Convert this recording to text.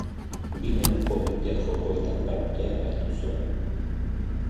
Bi Neguko Olinpiar Jokoetan parte hartu zuen.